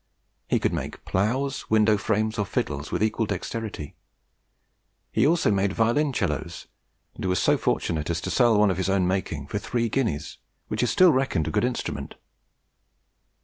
He could make ploughs, window frames, or fiddles, with equal dexterity. He also made violoncellos, and was so fortunate as to sell one of his making for three guineas, which is still reckoned a good instrument.